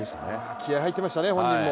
気合い入っていましたね、本人も。